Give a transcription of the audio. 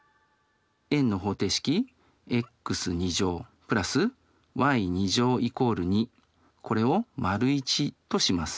円の方程式ｘ＋ｙ＝２これを①とします。